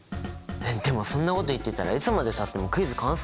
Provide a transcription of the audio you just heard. でもそんなこと言ってたらいつまでたってもクイズ完成しないじゃん！